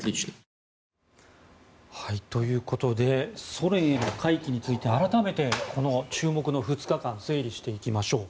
ソ連への回帰について改めてこの注目の２日間整理していきましょう。